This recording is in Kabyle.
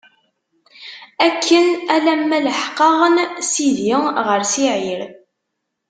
Akken alamma leḥqeɣ- n sidi, ɣer Siɛir.